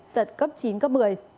giật cấp chín cấp một mươi